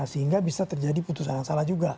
sehingga bisa terjadi putusan yang salah juga